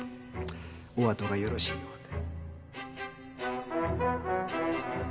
お後がよろしいようで。